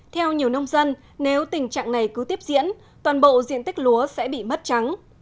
theo nhiều nông dân nếu tình trạng này cứ tiếp diễn toàn bộ diện tích lúa sẽ bị mất trắng